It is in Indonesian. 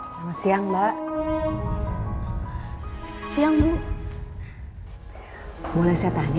karena dia lagi baju